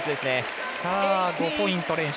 ５ポイント連取。